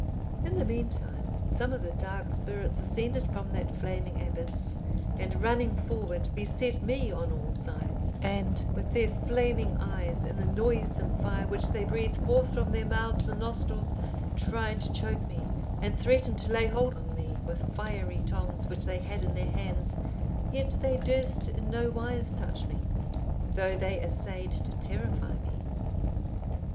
In the meantime, some of the dark spirits ascended from that flaming abyss, and running forward, beset me on all sides, and with their flaming eyes and the noisome fire which they breathed forth from their mouths and nostrils, tried to choke me; and threatened to lay hold on me with fiery tongs, which they had in their hands, yet they durst in no wise touch me, though they assayed to terrify me.